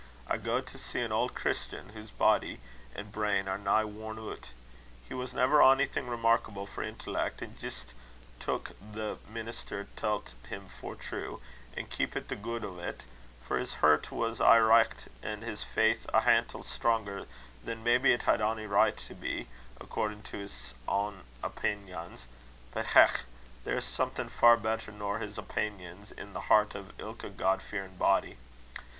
I gaed to see an auld Christian, whase body an' brain are nigh worn oot. He was never onything remarkable for intellec, and jist took what the minister tellt him for true, an' keepit the guid o't; for his hert was aye richt, an' his faith a hantle stronger than maybe it had ony richt to be, accordin' to his ain opingans; but, hech! there's something far better nor his opingans i' the hert o' ilka God fearin' body.